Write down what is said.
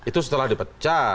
itu setelah dipecah